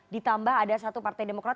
ditambah ada satu partai demokrat